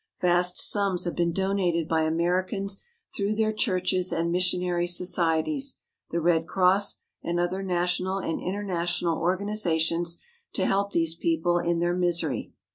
Vast sums have been donated by Americans through their churches and missionary societies, the Red Cross, and other national and international organizations to help these people in their misery.